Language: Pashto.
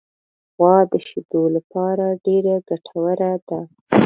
غوا د شیدو لپاره ډېره ګټوره ده.